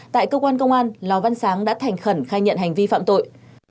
tại cơ quan công an lò văn sáng đã thành khẩn khai nhận hành vi phạm tội